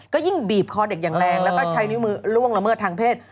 ก็ยิ่งบีบคอเด็กอย่างแรงแล้วก็ใช้นิ้วมือล่วงละเมิดทางเพศ